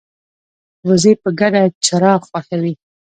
وزې په ګډه چرا خوښوي